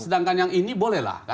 sedangkan yang ini boleh lah